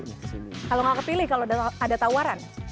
kalau nggak kepilih kalau ada tawaran